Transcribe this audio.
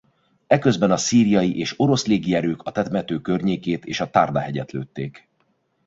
Eközben a szíriai és orosz légierők a temető környékét és a Tharda-hegyet lőtték.